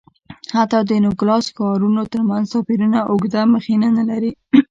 حتی د نوګالس ښارونو ترمنځ توپیرونه اوږده مخینه نه لري.